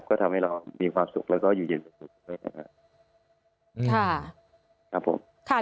ก็ทำให้เรามีความสุขและอยู่เย็นสุขด้วย